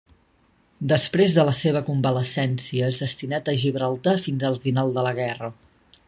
Després de la seva convalescència és destinat a Gibraltar fins al final de la guerra.